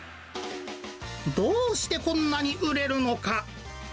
どうしてこんなに売れるのか。